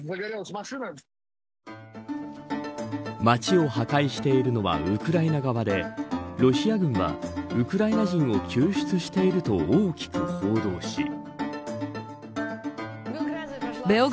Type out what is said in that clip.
街を破壊しているのはウクライナ側でロシア軍はウクライナ人を救出していると大きく報道し。